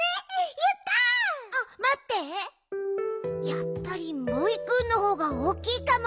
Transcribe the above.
やっぱりモイくんのほうがおおきいかも。